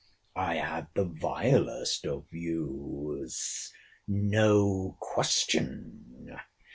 I had the vilest of views, no question.